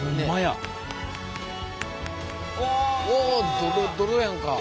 おドロドロやんか。